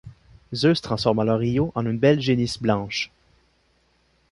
Zeus transforme alors Io en une belle génisse blanche.